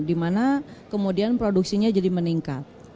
di mana kemudian produksinya jadi meningkat